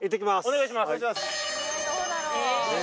お願いします